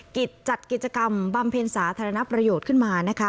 กิจจัดกิจกรรมบำเพ็ญสาธารณประโยชน์ขึ้นมานะคะ